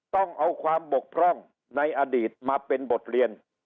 ต้องเอาความบกพร่องในอดีตมาเป็นบทเรียน